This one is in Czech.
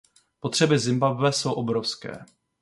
Potřeby Zimbabwe jsou obrovské.